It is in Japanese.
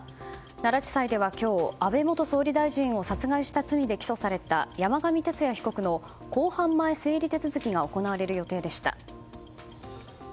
奈良地裁では今日安倍元総理大臣を殺害した罪で起訴された山上徹也被告の公判前整理手続きが行われる予定でした。